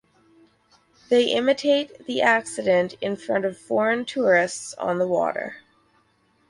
They imitate the accident in front of foreign tourists on the water.